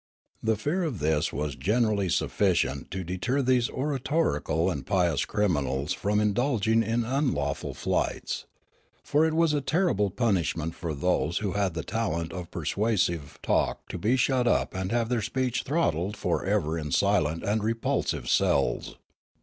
The fear of this was generally sufficient to deter these oratorical and pious criminals from in dulging in unlawful flights. For it was a terrible punishment for those who had the talent of persuasive talk to be shut up and have their speech throttled for ever in silent and repulsive cells.